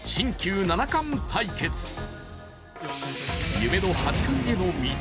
夢の八冠への道